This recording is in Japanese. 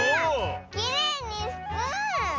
きれいにスプーン！